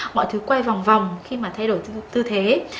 mọi thứ quay vòng vòng khi mà thay đổi tư thế